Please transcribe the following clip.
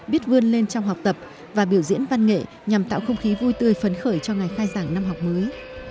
biết vươn lên trong học tập và biểu diễn văn nghệ nhằm tạo không khí vui tươi phấn khởi cho ngày khai giảng năm học mới